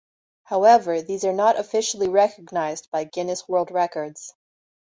However, these are not officially recognized by "Guinness World Records".